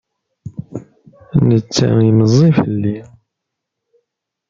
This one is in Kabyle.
Netta i meẓẓi fell-i.